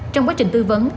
trong quá trình tư vấn